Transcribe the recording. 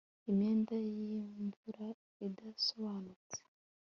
Imyenda yimvura idasobanutse